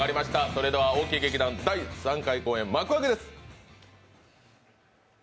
それでは大木劇団、第３回公演幕開けです。